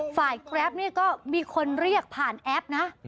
แกรปนี่ก็มีคนเรียกผ่านแอปนะ